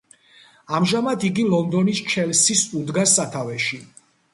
ამჟამად იგი ლონდონის ჩელსის უდგას სათავეში.